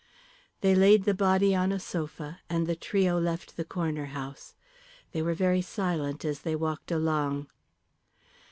They laid the body on a sofa, and the trio left the Corner House. They were very silent as they walked along.